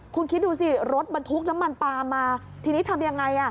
คุณคิดดูสิรถบรรทุกน้ำมันปลามมาทีนี้ทำยังไงอ่ะ